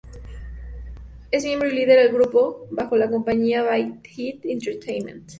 Es miembro y líder del grupo TxT bajo la compañía Big Hit Entertainment.